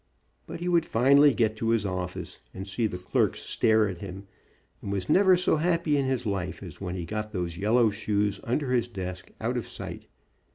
But he would finally get to his office, UNUSUAL HUNTING EXPERIENCE 37 see the clerks stare at him, and was never so happy in his life, as when he got those yellow shoes under his desk out of sight.